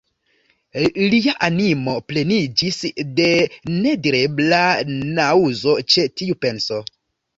Lia animo pleniĝis de nedirebla naŭzo ĉe tiu penso.